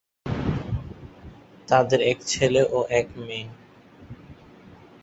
তাঁদের এক ছেলে ও এক মেয়ে।